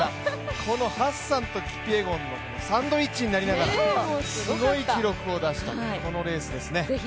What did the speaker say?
このハッサンとキピエゴンのサンドイッチになりながらすごい記録を出したこのレースですね。